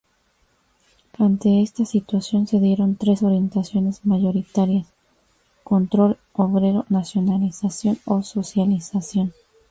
Ante esta situación se dieron tres orientaciones mayoritarias: control obrero, nacionalización o socialización.